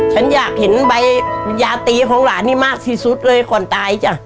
ฉันอยากเห็นใบยาตีของหลานนี่มากที่สุดเลยก่อนตายจ้ะ